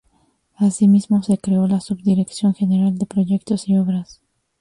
Asimismo, se creó la subdirección general de Proyectos y Obras.